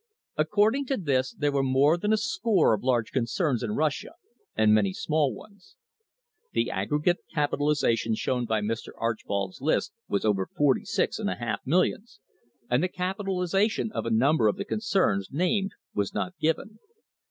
According to this there were more than a score of large concerns in Russia, and many small ones. The aggregate capitalisation shown by Mr. Archbold's list was over forty six and a half millions, and the capitalisation of a number of the concerns named was not given.